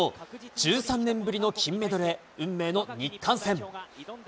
１３年ぶりの金メダルへ、運命の日韓戦。